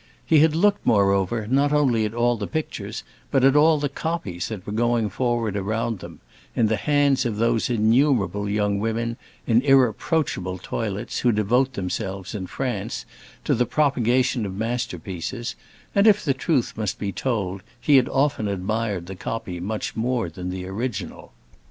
He had looked, moreover, not only at all the pictures, but at all the copies that were going forward around them, in the hands of those innumerable young women in irreproachable toilets who devote themselves, in France, to the propagation of masterpieces, and if the truth must be told, he had often admired the copy much more than the original.